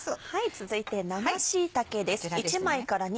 続いて生椎茸です。